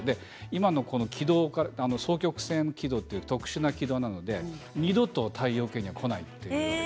今の双曲線軌道という特殊な軌道なんですけど二度と太陽系には来ない。